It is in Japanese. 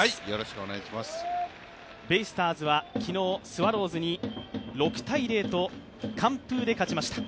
ベースボールは昨日、スワローズに６−０と完封で勝ちました。